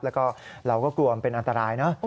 แล้วก็เราก็กลัวมันเป็นอันตรายนะ